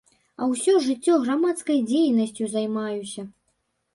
Я ўсё жыццё грамадскай дзейнасцю займаюся.